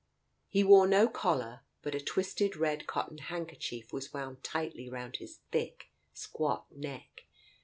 He wore no collar, but a twisted red cotton handkerchief was wound tightly round his thick squat neck.